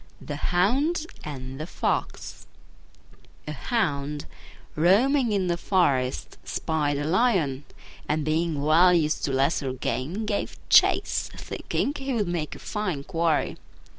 THE HOUND AND THE FOX A Hound, roaming in the forest, spied a lion, and being well used to lesser game, gave chase, thinking he would make a fine quarry.